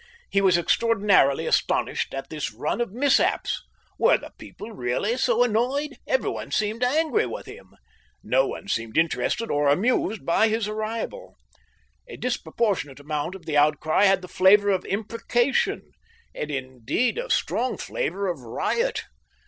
He was extraordinarily astonished at this run of mishaps. Were the people really so annoyed? Everybody seemed angry with him. No one seemed interested or amused by his arrival. A disproportionate amount of the outcry had the flavour of imprecation had, indeed a strong flavour of riot.